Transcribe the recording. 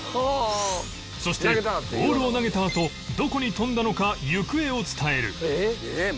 そしてボールを投げたあとどこに飛んだのか行方を伝える